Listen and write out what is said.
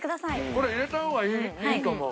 これ入れた方がいいと思う。